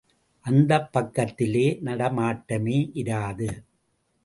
அந்தப் பக்கத்திலே நடமாட்டமே இராது.